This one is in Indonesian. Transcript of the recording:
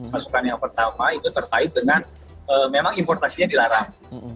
masukan yang pertama itu terkait dengan memang importasinya dilarang